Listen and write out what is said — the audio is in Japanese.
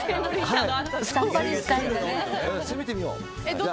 攻めてみよう。